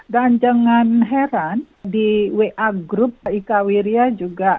dan jangan heran di wa group ika wirja juga